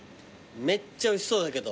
めっちゃおいしそうだけど。